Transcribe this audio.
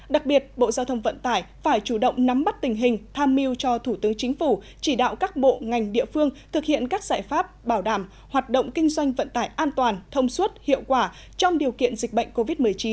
đặc biệt bộ giao thông vận tải phải chủ động nắm bắt tình hình tham mưu cho thủ tướng chính phủ chỉ đạo các bộ ngành địa phương thực hiện các giải pháp bảo đảm hoạt động kinh doanh vận tải an toàn thông suốt hiệu quả trong điều kiện dịch bệnh covid một mươi chín